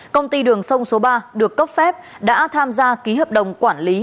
công ty đường sông số ba được cấp phép đã tham gia ký hợp đồng quản lý